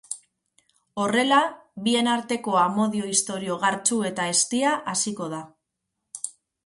Horrela bien arteko amodio istorio gartsu eta eztia hasiko da.